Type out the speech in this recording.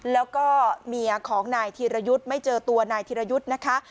แล้วก็เมียของนายธีรยุทธ์ไม่เจอตัวนายธีรยุทธ์นะคะ